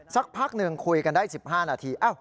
สักพักหนึ่งคุยกันได้๑๕นาที